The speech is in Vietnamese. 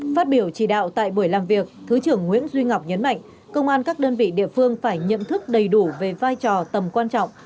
phát biểu chỉ đạo tại buổi làm việc thứ trưởng nguyễn duy ngọc nhấn mạnh công an các đơn vị địa phương phải nhận thức đầy đủ về vai trò tầm quan trọng